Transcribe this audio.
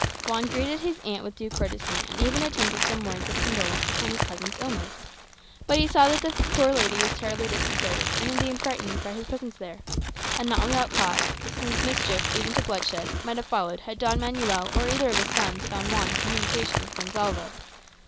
Juan greeted his aunt with due courtesy, and even attempted some words of condolence upon his cousin's illness. But he saw that the poor lady was terribly disconcerted, and indeed frightened, by his presence there. And not without cause, since mischief, even to bloodshed, might have followed had Don Manuel or either of his sons found Juan in communication with Gonsalvo.